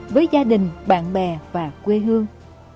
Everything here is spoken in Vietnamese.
với gia đình bạn bè và quê hương